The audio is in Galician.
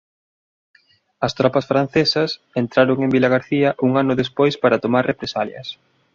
As tropas francesas entraron en Vilagarcía un ano despois para tomar represalias.